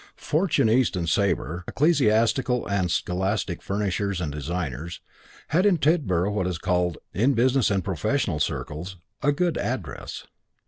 Fortune, East and Sabre, Ecclesiastical and Scholastic Furnishers and Designers, had in Tidborough what is called, in business and professional circles, a good address.